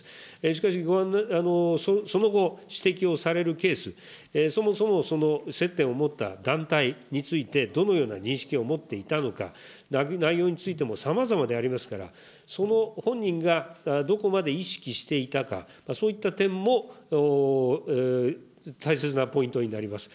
しかしその後、指摘をされるケース、そもそもその接点を持った団体について、どのような認識を持っていたのか、内容についてもさまざまでありますから、その本人がどこまで意識していたか、そういった点も大切なポイントになります。